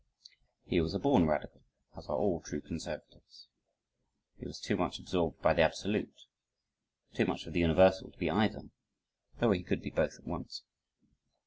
He was a born radical as are all true conservatives. He was too much "absorbed by the absolute," too much of the universal to be either though he could be both at once.